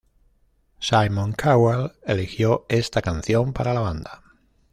Simon Cowell eligió esta canción para la banda.